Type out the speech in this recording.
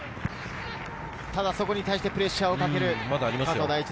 そこに対してプレッシャーをかける関東第一。